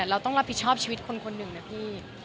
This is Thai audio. เราต้องรับผิดชอบชีวิตคนคนหนึ่งนะพี่